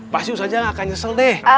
pasti ustazah gak akan nyesel deh